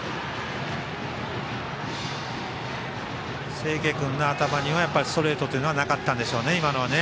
清家君の頭にはストレートというのはなかったんでしょうね、今のは。